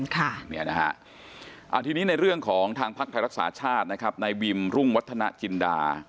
ทีนี้ในเรื่องของทางภักดิ์ไทยรักษาชาตินะครับในวิมรุ่งวัฒนาจินดา